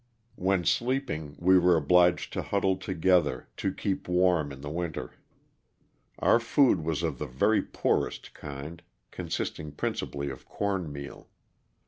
When sleeping we were obliged to huddle together to 248 tiOss OF 1:he sultana. keep warm in the winter. Our food was of the very poorest kind, consisting principally of corn meal.